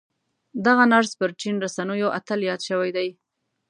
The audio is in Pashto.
دغه نرس پر چين رسنيو اتل ياد شوی دی.